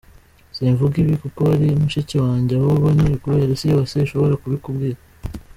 Simvuga ibi kuko ari mushiki wanjye, ahubwo ni ukubera Isi yose ishobora kubikubwira.